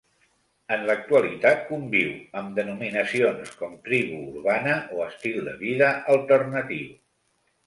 En l'actualitat conviu amb denominacions com tribu urbana o estil de vida alternatiu.